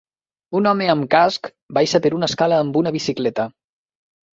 Un home amb casc baixa per una escala amb una bicicleta.